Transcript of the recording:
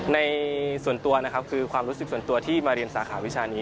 ในส่วนตัวนะครับคือความรู้สึกส่วนตัวที่มาเรียนสาขาวิชานี้